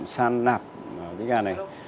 săn nạp cái ga này